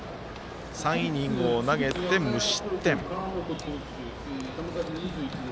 ３イニングを投げて無失点。